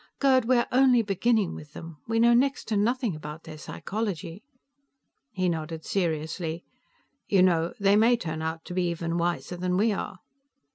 Gerd, we're only beginning with them. We know next to nothing about their psychology." He nodded seriously. "You know, they may turn out to be even wiser than we are."